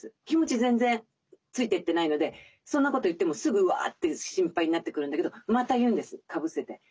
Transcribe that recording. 気持ち全然ついてってないのでそんなこと言ってもすぐうわって心配になってくるんだけどまた言うんですかぶせて。